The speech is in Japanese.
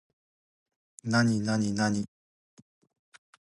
なになになに